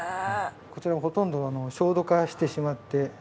こちらはほとんど焦土化してしまっているような。